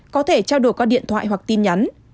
có thể trao đổi qua điện thoại hoặc tin nhắn